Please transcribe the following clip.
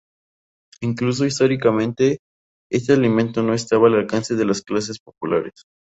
Incluso históricamente, este alimento no estaba al alcance de las clases populares.